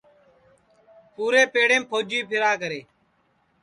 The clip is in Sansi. پُورے پیڑیم پھوجی پھیرا کرے